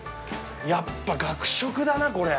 やっぱ学食だなこれ。